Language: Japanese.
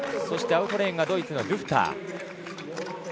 そしてアウトレーンがドイツのドゥフター。